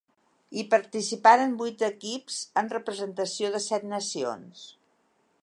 Hi participaren vuit equips en representació de set nacions.